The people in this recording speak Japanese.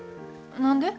何で？